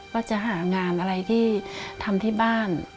ว่าจะหางานอะไรที่ทำที่บ้าน